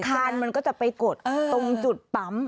การมันก็จะไปกดตรงจุดปั๊ม